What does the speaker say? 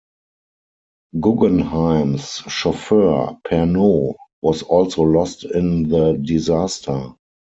Guggenheim's chauffeur, Pernot, was also lost in the disaster.